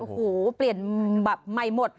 โอ้โหเปลี่ยนแบบใหม่หมด